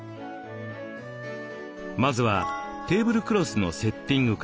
まずはテーブルクロスのセッティングから。